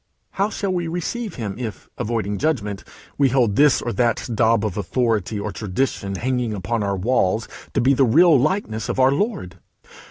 How shall we receive him if, avoiding judgment, we hold this or that daub of authority or tradition hanging upon our walls to be the real likeness of our Lord?